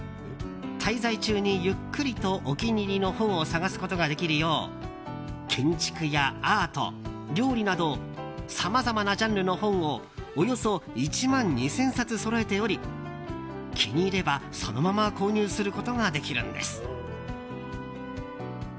滞在中にゆっくりとお気に入りの本を探すことができるよう建築やアート、料理などさまざまなジャンルの本をおよそ１万２０００冊そろえており気に入ればそのまま購入することができるんです。